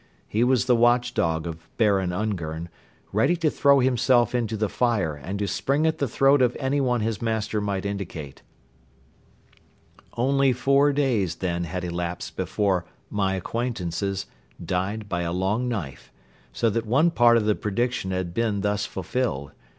He was the watchdog of Baron Ungern, ready to throw himself into the fire and to spring at the throat of anyone his master might indicate. Only four days then had elapsed before "my acquaintances" died "by a long knife," so that one part of the prediction had been thus fulfilled.